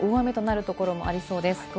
大雨となるところもありそうです。